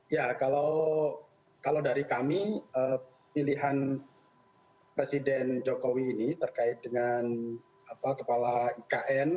ya kalau dari kami pilihan presiden jokowi ini terkait dengan kepala ikn